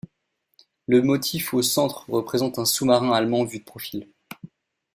Le motif au centre représente un sous-marin allemand vu de profil.